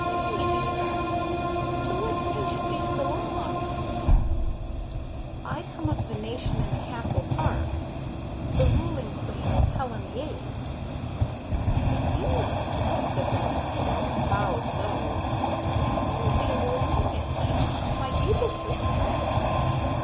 "Maybe. To what nation do you belong?" "I come of the nation in the castle park. The ruling queen is Helen VIII." "Indeed," said the mosquito, and bowed low. "An enviable lineage. My deepest respects.